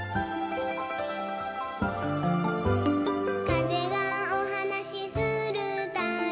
「かぜがおはなしするたび」